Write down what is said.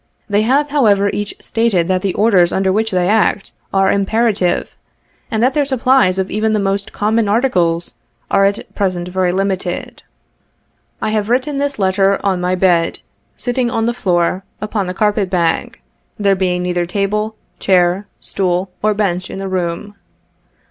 They have, however, each stated that the orders under which they act, are imperative, and that their supplies of even the most common articles, are at present very limited. 1 have writ ten this letter on my bed, sitting on the floor, upon a carpet bag, there being neither table, chair, stool or bench in the room.